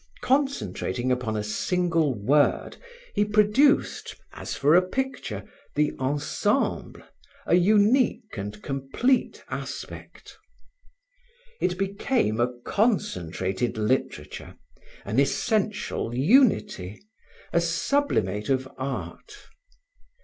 Concentrating upon a single word, he produced, as for a picture, the ensemble, a unique and complete aspect. It became a concentrated literature, an essential unity, a sublimate of art.